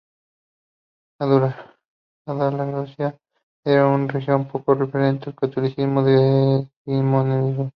Andalucía era una región poco ferviente del carlismo decimonónico.